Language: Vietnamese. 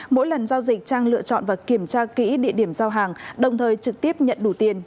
mỗi lần giao dịch trang lựa chọn và kiểm tra kỹ địa điểm giao hàng đồng thời trực tiếp nhận đủ tiền